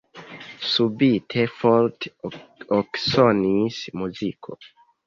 Subite forte eksonis muziko.